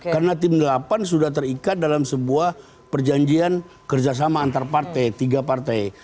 karena tim delapan sudah terikat dalam sebuah perjanjian kerjasama antar partai tiga partai